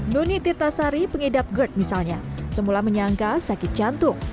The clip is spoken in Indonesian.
nuni tirtasari pengidap gerd misalnya semula menyangka sakit jantung